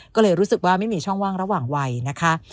ก็เลยรู้สึกว่าไม่มีช่องว่างระหว่างวัยนะคะ